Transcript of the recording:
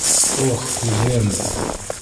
— Ох, күҙем!